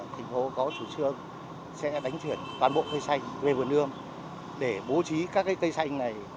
thành phố có chủ trương sẽ đánh chuyển toàn bộ cây xanh về vườn ươm để bố trí các cây xanh này